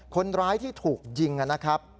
คนร้ายที่ถูกยิงนะครับ